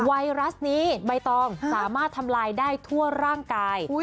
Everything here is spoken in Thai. ไวรัสนี้ใบตองสามารถทำลายได้ทั่วร่างกาย